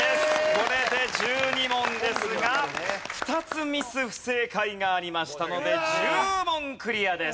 これで１２問ですが２つミス不正解がありましたので１０問クリアです。